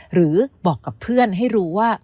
หรือบอกกับเพื่อนให้รู้ว่า